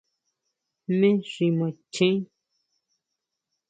¿Jmé xi macheén?